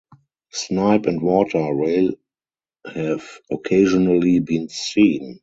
Snipe and water rail have occasionally been seen.